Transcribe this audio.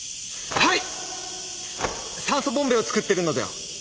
はい。